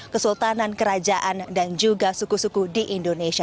kesultanan kerajaan dan juga suku suku di indonesia